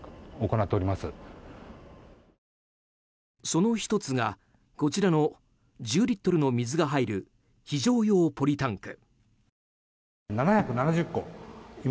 その１つが、こちらの１０リットルの水が入る非常用ポリタンク。